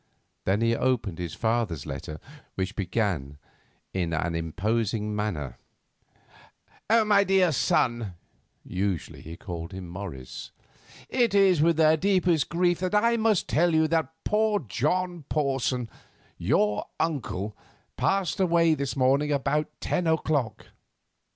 Then he opened his father's letter, which began in an imposing manner: "MY DEAR SON (usually he called him Morris),—It is with the deepest grief that I must tell you that poor John Porson, your uncle, passed away this morning about ten o'clock.